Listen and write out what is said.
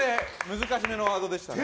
難しめのワードでしたね。